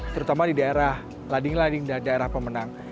terutama di daerah lading lading dan daerah pemenang